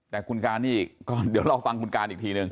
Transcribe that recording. แต่คุณการนี่ก็เดี๋ยวรอฟังคุณการอีกทีหนึ่ง